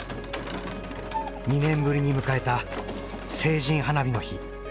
２年ぶりに迎えた成人花火の日。